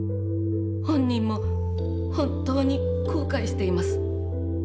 本人も本当に後悔しています。